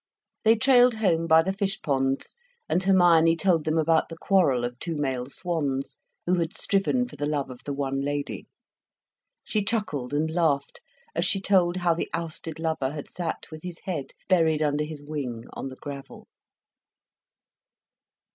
They trailed home by the fish ponds, and Hermione told them about the quarrel of two male swans, who had striven for the love of the one lady. She chuckled and laughed as she told how the ousted lover had sat with his head buried under his wing, on the gravel.